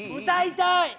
歌いたい！